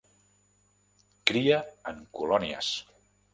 Cria en colònies.